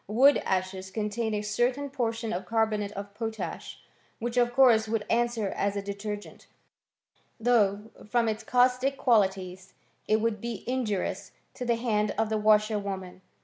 Wood ashes contain a certain portion of carbonate of potash, which of course would answer as a detergent; though, from its caustic qualities, it would be injurious to the hands of the | washerwomen.